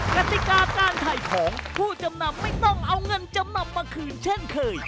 กติกาการถ่ายของผู้จำนำไม่ต้องเอาเงินจำนำมาคืนเช่นเคย